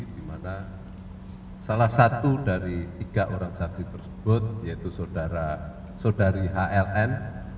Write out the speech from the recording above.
di mana salah satu dari tiga orang saksi tersebut yaitu saudari hln